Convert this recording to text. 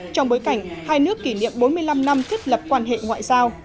trong bối cảnh hai nước kỷ niệm bốn mươi năm năm thiết lập quan hệ ngoại giao